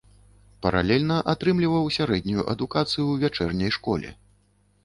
Паралельна атрымліваў сярэднюю адукацыю ў вячэрняй школе.